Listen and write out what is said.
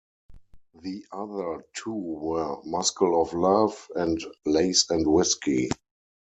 The other two were "Muscle of Love" and "Lace and Whiskey".